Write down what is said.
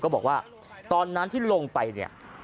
บอกว่าตอนนั้นที่ลงไปเนี่ย